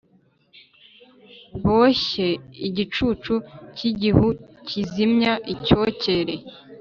boshye igicucu cy’igihu kizimya icyokere,